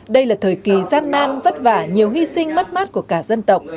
đây là thời kỳ gian nan vất vả nhiều hy sinh mất mát của cả dân tộc